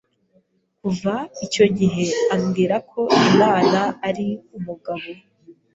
kuva icyo gihe ambwira ko Imana ari umugabo